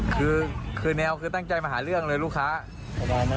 คือคือแนวคือตั้งใจมาหาเรื่องเลยลูกค้า